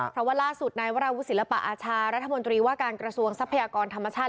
เพราะว่าร่าสุดในวิศึษย์ลับอาชารัฐมนตรีว่าการกระทรวงสธรรมชาติ